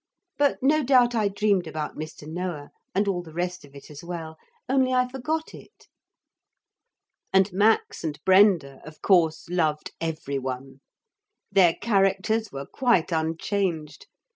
But no doubt I dreamed about Mr. Noah and all the rest of it as well, only I forgot it.' ....... And Max and Brenda of course loved every one. Their characters were quite unchanged.